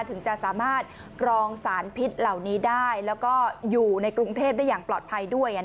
ถึงจะสามารถกรองสารพิษเหล่านี้ได้แล้วก็อยู่ในกรุงเทพได้อย่างปลอดภัยด้วย